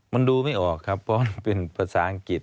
มันดูไม่ออกครับเพราะมันเป็นภาษาอังกฤษ